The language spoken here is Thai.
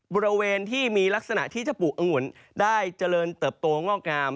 บริเวณที่มีลักษณะที่จะปลูกองุ่นได้เจริญเติบโตงอกงาม